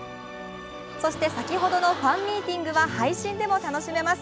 そして、先ほどのファンミーティングは配信でも楽しめます。